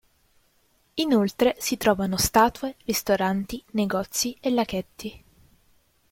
Inoltre si trovano statue, ristoranti, negozi e laghetti.